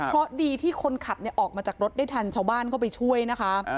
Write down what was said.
เพราะดีที่คนขับออกมาจากรถได้ทันชาวบ้านเข้าไปช่วยนะคะ